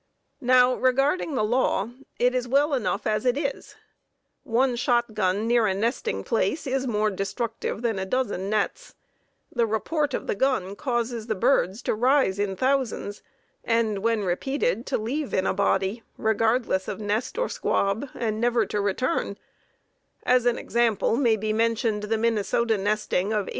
Now, regarding the law, it is well enough as it is; one shotgun near a nesting is more destructive than a dozen nets; the report of the gun causes the birds to rise in thousands, and, when repeated, to leave in a body, regardless of nest or squab, and never to return; as an example, may be mentioned, the Minnesota nesting of 1877, when the birds were driven entirely away.